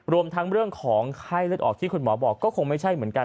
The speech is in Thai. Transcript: รวมทั้งเรื่องของไข้เลือดออกที่คุณหมอบอกก็คงไม่ใช่เหมือนกัน